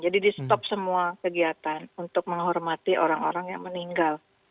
jadi di stop semua kegiatan untuk menghormati orang orang yang meninggal